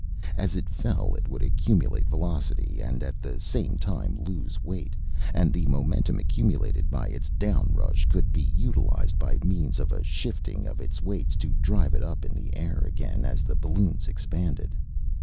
As it fell it would accumulate velocity and at the same time lose weight, and the momentum accumulated by its down rush could be utilised by means of a shifting of its weights to drive it up in the air again as the balloons expanded.